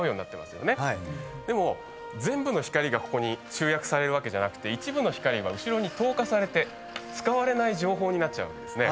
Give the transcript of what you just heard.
でも全部の光がここに集約されるわけじゃなくて一部の光は後ろに透過されて使われない情報になるんですね。